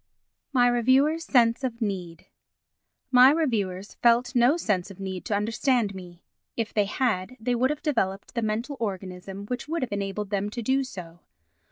My Reviewers' Sense of Need My reviewers felt no sense of need to understand me—if they had they would have developed the mental organism which would have enabled them to do so.